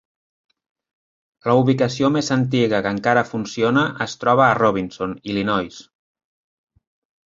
La ubicació més antiga que encara funciona es troba a Robinson, Illinois.